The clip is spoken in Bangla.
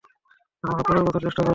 আমরা পরের বছর চেষ্টা করবো।